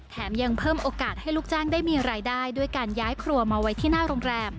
ยังเพิ่มโอกาสให้ลูกจ้างได้มีรายได้ด้วยการย้ายครัวมาไว้ที่หน้าโรงแรม